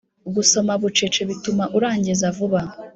Gusoma bucece bituma urangiza vuba